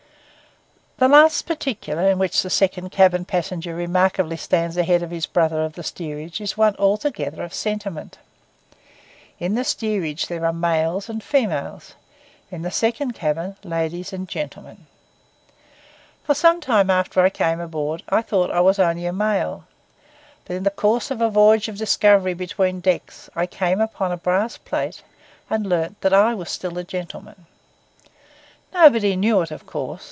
The last particular in which the second cabin passenger remarkably stands ahead of his brother of the steerage is one altogether of sentiment. In the steerage there are males and females; in the second cabin ladies and gentlemen. For some time after I came aboard I thought I was only a male; but in the course of a voyage of discovery between decks, I came on a brass plate, and learned that I was still a gentleman. Nobody knew it, of course.